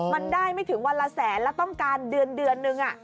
มันได้ไม่ถึงวันละแสนแล้วต้องการเดือนนึง